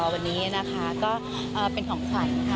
วันนี้นะคะก็เป็นของขวัญค่ะ